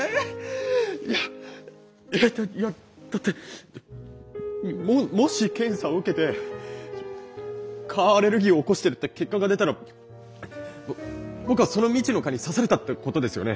えいやだってもし検査を受けて蚊アレルギーを起こしてるって結果が出たら僕はその未知の蚊に刺されたってことですよね。